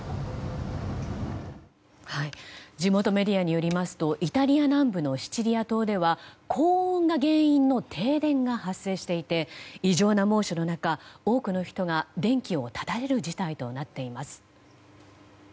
地元メディアによりますとイタリア南部のシチリア島では高温が原因の停電が発生していて異常な猛暑の中、多くの人が電気を絶たれる事態となっています。